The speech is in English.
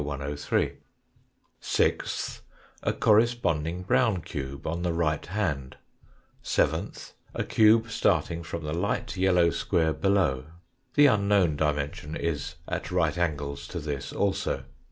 103 ; sixth, a correspond ing brown cube on the right hand ; seventh, a cube starting from the light yellow square below ; the unknown dimension is at right angles to this also.